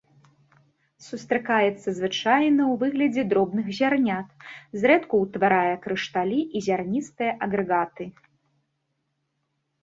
Сустракаецца звычайна ў выглядзе дробных зярнят, зрэдку ўтварае крышталі і зярністыя агрэгаты.